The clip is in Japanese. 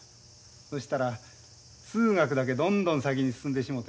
そしたら数学だけどんどん先に進んでしもてな。